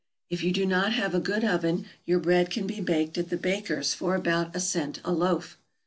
If you do not have a good oven, your bread can be baked at the baker's for about a cent a loaf.